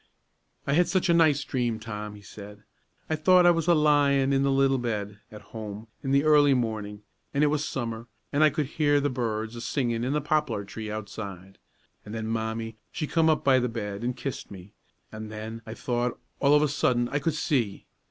"I had such a nice dream, Tom," he said. "I thought I was a lyin' in the little bed, at home, in the early mornin'; an' it was summer, an' I could hear the birds a singin' in the poplar tree outside; an' then Mommie she come up by the bed an' kissed me; an' then I thought, all of a sudden, I could see.